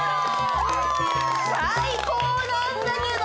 最高なんだけど！